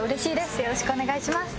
よろしくお願いします。